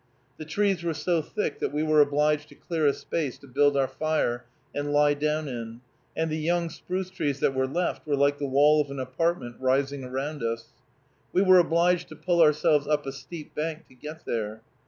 The trees were so thick that we were obliged to clear a space to build our fire and lie down in, and the young spruce trees that were left were like the wall of an apartment rising around us. We were obliged to pull ourselves up a steep bank to get there.